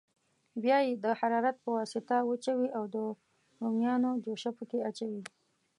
بیا یې د حرارت په واسطه وچوي او د رومیانو جوشه پکې اچوي.